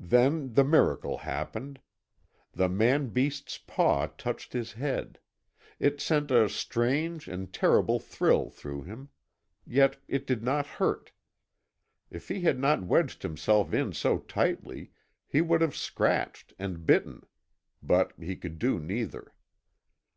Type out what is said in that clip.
Then the miracle happened. The man beast's paw touched his head. It sent a strange and terrible thrill through him. Yet it did not hurt. If he had not wedged himself in so tightly he would have scratched and bitten. But he could do neither.